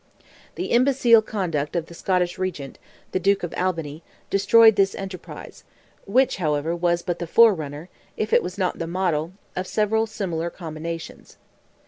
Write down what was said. The imbecile conduct of the Scottish Regent, the Duke of Albany, destroyed this enterprise, which, however, was but the forerunner, if it was not the model, of several similar combinations.